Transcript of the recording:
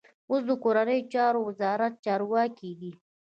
اوس د کورنیو چارو وزارت چارواکی دی.